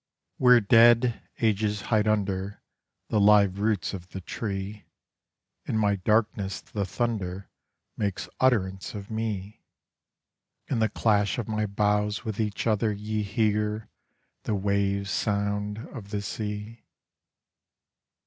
Where dead ages hide under The live roots of the tree, In my darkness the thunder Makes utterance of me; In the clash of my boughs with each other ye hear the waves sound of the sea.